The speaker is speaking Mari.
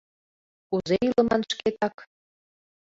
«Кузе илыман шкетак